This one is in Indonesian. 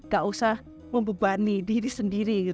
gak usah membebani diri sendiri